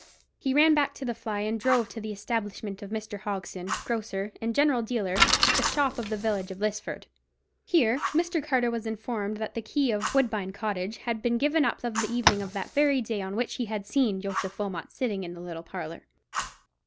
He ran back to the fly, and drove to the establishment of Mr. Hogson, grocer and general dealer—the shop of the village of Lisford. Here Mr. Carter was informed that the key of "Woodbine Cottage had been given up on the evening of that very day on which he had seen Joseph Wilmot sitting in the little parlour.